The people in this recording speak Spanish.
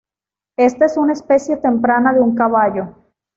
Esta es una especie temprana de un caballo.